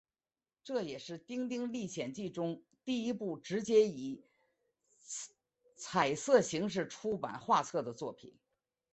这也是丁丁历险记中第一部直接以彩色形式出版画册的作品。